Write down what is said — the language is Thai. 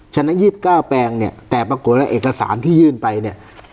ฉะนั้นยี่สิบเก้าแปลงเนี้ยแต่ปรากฏว่าเอกสารที่ยื่นไปเนี้ย